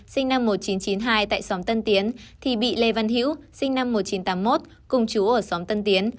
sinh năm một nghìn chín trăm chín mươi hai tại xóm tân tiến thì bị lê văn hiễu sinh năm một nghìn chín trăm tám mươi một cùng chú ở xóm tân tiến